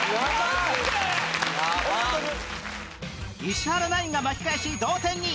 石原ナインが巻き返し同点に！